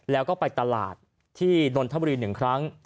แล้วก็ไปตลาดที่นทม๑ครั้ง